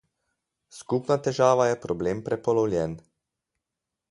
Skupna težava je problem prepolovljen.